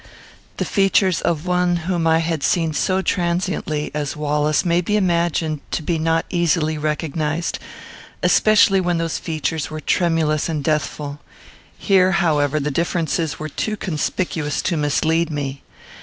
The features of one whom I had seen so transiently as Wallace may be imagined to be not easily recognised, especially when those features were tremulous and deathful. Here, however, the differences were too conspicuous to mislead me.